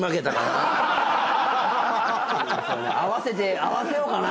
合わせて合わせようかな。